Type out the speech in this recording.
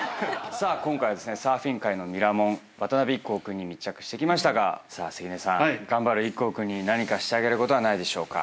今回はサーフィン界のミラモン渡邉壱孔君に密着してきましたがさあ関根さん頑張る壱孔君に何かしてあげることはないでしょうか？